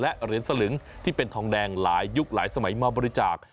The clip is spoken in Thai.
และเหรียญสลึงที่เป็นทองแดงหลายยุคหลายสมัยมาบริจาค